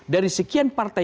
dari sekian partai